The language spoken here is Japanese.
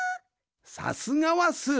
さすがはスー。